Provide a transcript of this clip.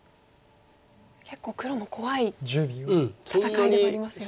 結構黒も怖い戦いでもありますよね。